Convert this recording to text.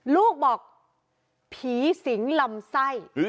ลูกบอกผีสิงลำไส้